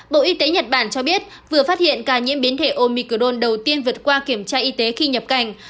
bộ y tế nhật bản cho biết vừa phát hiện ca nhiễm biến thể omicdon đầu tiên vượt qua kiểm tra y tế khi nhập cảnh